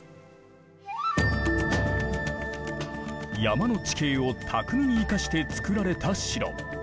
山の地形を巧みに生かして造られた城。